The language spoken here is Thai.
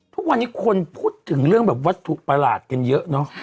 ทุกวันนี้คนพูดถึงเรื่องแบบวัตถุประหลาดกันเยอะเนอะ